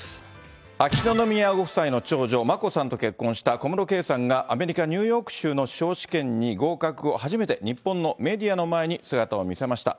秋篠宮ご夫妻の長女、眞子さんと結婚した小室圭さんが、アメリカ・ニューヨーク州の司法試験に合格後、初めて日本のメディアの前に姿を見せました。